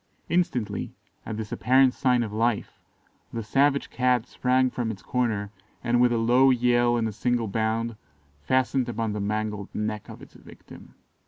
Instantly, at this apparent sign of life, the savage Cat sprang from its corner, and, with a low yell and a single bound, fastened upon the mangled neck of its victim.